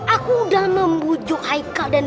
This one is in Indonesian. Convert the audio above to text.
aku udah membujuk haikal dan